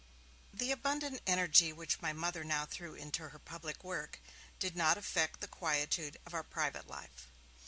The abundant energy which my Mother now threw into her public work did not affect the quietude of our private life.